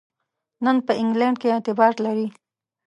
نن په انګلینډ کې اعتبار لري.